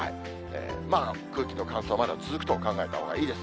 まあ、空気の乾燥、まだ続くと考えたほうがいいです。